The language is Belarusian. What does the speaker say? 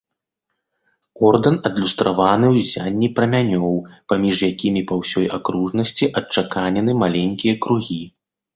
Ордэн адлюстраваны ў ззянні прамянёў, паміж якімі па ўсёй акружнасці адчаканены маленькія кругі.